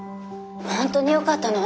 本当によかったの？